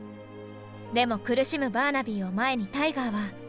でも苦しむバーナビーを前にタイガーは。